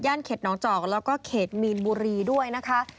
ย่านเข็ดน้องจอกและเข็ดมีนบุรีด้วยนะคะ